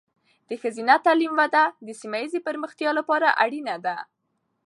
د ښځینه تعلیم وده د سیمه ایزې پرمختیا لپاره اړینه ده.